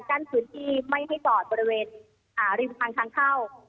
กั้นพื้นที่ไม่ให้จอดบริเวณริมทางทางเข้า